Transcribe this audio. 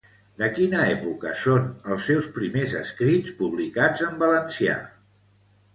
De quina època són els seus primers escrits publicats en valencià?